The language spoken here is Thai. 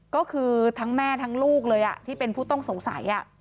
ก็คือทั้งแม่ทั้งลูกเลยที่เป็นผู้ต้องสงสัย